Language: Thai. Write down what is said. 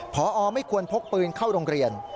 พอไม่ควรพกปืนเข้าโรงเรียน